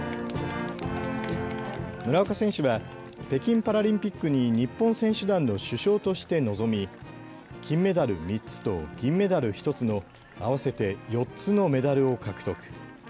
村岡選手は北京パラリンピックに日本選手団の主将として臨み金メダル３つと銀メダル１つの合わせて４つのメダルを獲得。